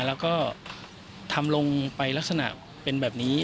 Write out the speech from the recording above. แล้วก็ทำลงไปลักษณะเป็นแบบนี้